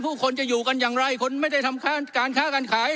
ผู้คนจะอยู่กันอย่างไรคนไม่ได้ทำการค้าการขาย